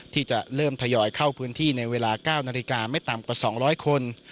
ที่จะเริ่มทยอยเข้าพื้นที่ในเวลา๙นาฬิกาไม่ต่ำกว่า๒๐๐คน